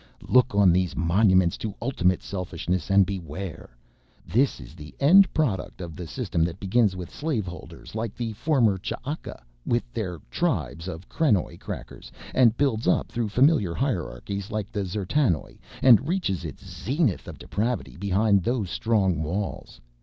Look on these monuments to ultimate selfishness and beware: this is the end product of the system that begins with slave holders like the former Ch'aka with their tribes of krenoj crackers, and builds up through familiar hierarchies like the D'zertanoj and reaches its zenith of depravity behind those strong walls.